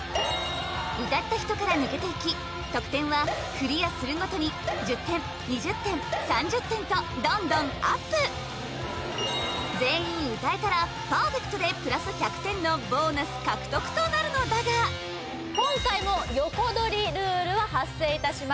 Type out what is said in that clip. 歌った人から抜けていき得点はクリアするごとに１０点２０点３０点とどんどんアップ全員歌えたらパーフェクトでプラス１００点のボーナス獲得となるのだが今回も横取りルールは発生いたします